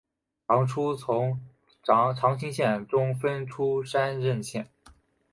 唐初从长清县中分出山荏县。